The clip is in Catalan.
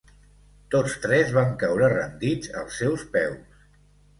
Tots tres van caure rendits als seus peus.